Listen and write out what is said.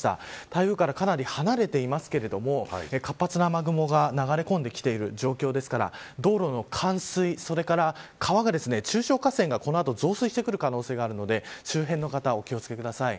台風から、かなり離れていますが活発な雨雲が流れ込んできている状況ですから道路の冠水それから中小河川が増水してくる可能性があるので周辺の方はお気を付けください。